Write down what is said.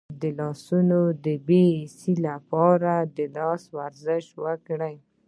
د لاسونو د بې حسی لپاره د لاس ورزش وکړئ